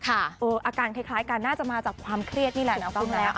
อาการคล้ายกันน่าจะมาจากความเครียดนี่แหละถูกต้องแล้ว